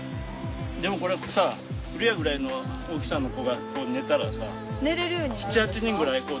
でもこれさ來愛ぐらいの大きさの子が寝たらさ７８人ぐらい寝れるやん。